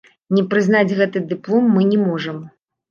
Не прызнаць гэты дыплом мы не можам.